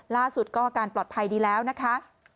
ล่าสุดก็อาการปลอดภัยดีแล้วนะคะ